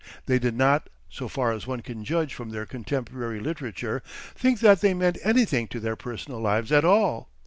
They did not, so far as one can judge from their contemporary literature, think that they meant anything to their personal lives at all.